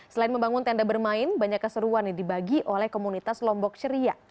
selain membangun tenda bermain banyak keseruan yang dibagi oleh komunitas lombok ceria